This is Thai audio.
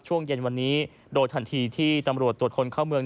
ช่วงเย็นวันนี้โดยทันทีที่ตำรวจตรวจคนเข้าเมือง